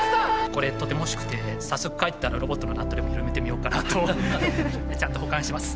これとても欲しくて早速帰ったらロボットのナットでも緩めてみようかなとちゃんと保管します。